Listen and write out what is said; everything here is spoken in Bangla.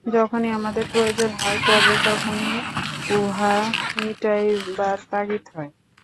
যখনই আমাদের প্রয়োজন হয়, কেবল তখনই উহা মিটাইবার তাগিদ হয়।